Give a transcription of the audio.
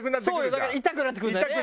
だから痛くなってくるんだよね。